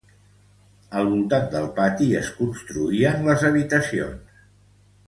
Al voltant del pati es construïen les habitacions.